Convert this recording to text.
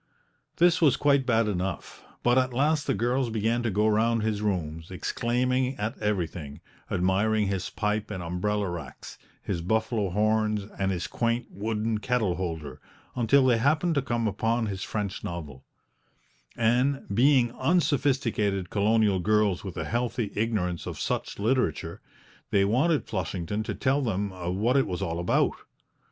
This was quite bad enough, but at last the girls began to go round his rooms, exclaiming at everything, admiring his pipe and umbrella racks, his buffalo horns and his quaint wooden kettle holder, until they happened to come upon his French novel; and, being unsophisticated colonial girls with a healthy ignorance of such literature, they wanted Flushington to tell them what it was all about.